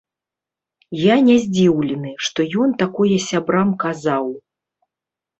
Я не здзіўлены, што ён такое сябрам казаў.